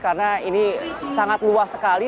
karena ini sangat luas sekali